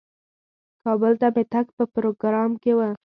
کابل ته مې تګ په پروګرام کې و.